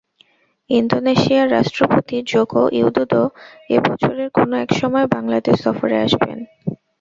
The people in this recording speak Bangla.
ইন্দোনেশিয়ার রাষ্ট্রপতি জোকো উইদোদো এ বছরের কোনো এক সময় বাংলাদেশ সফরে আসবেন।